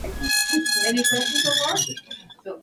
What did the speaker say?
El intento fue reprimido por los agentes de policía presentes.